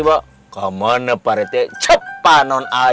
vanessa aku dateng nih